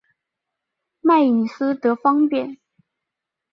卖隐私得方便